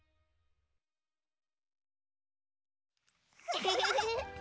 ウフフフ！